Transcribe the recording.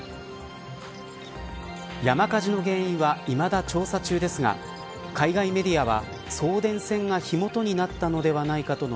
山火事の原因はいまだ調査中ですが海外メディアは送電線が火元になったのではないかとの